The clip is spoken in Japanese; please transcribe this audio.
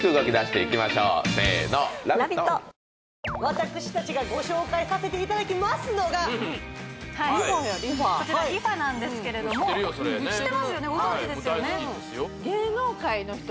私達がご紹介させていただきますのがこちらＲｅＦａなんですけれども知ってますよねご存じですよね